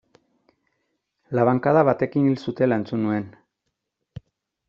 Labankada batekin hil zutela entzun nuen.